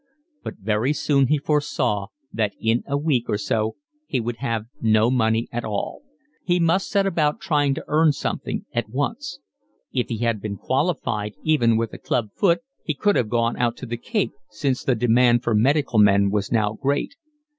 But very soon he foresaw that in a week or so he would have no money at all. He must set about trying to earn something at once. If he had been qualified, even with a club foot, he could have gone out to the Cape, since the demand for medical men was now great.